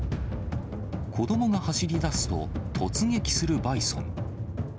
子どもが走りだすと、突撃するバイソン。